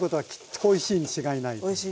おいしいに違いないです。